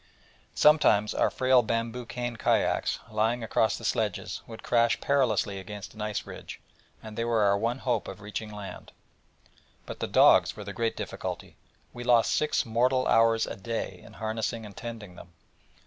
Sometimes our frail bamboo cane kayaks, lying across the sledges, would crash perilously against an ice ridge and they were our one hope of reaching land. But the dogs were the great difficulty: we lost six mortal hours a day in harnessing and tending them.